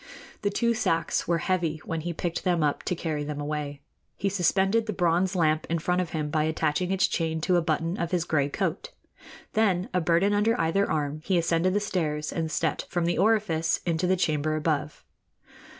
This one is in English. The two sacks were heavy when he picked them up to carry them away. He suspended the bronze lamp in front of him by attaching its chain to a button of his gray coat. Then, a burden under either arm, he ascended the stairs and stepped from the orifice into the chamber above.